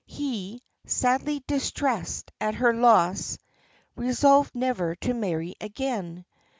He, sadly distressed at her loss, resolved never to marry again.